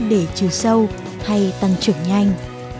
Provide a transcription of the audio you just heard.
để trừ sâu hay tăng trưởng nhanh